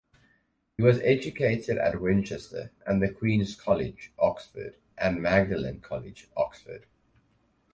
He was educated at Winchester and at Queen's College, Oxford, and Magdalen College, Oxford.